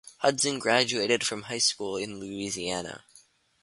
Hudson graduated from high school in Louisiana.